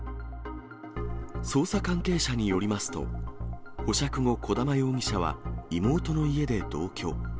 捜査関係者によりますと、保釈後、小玉容疑者は妹の家で同居。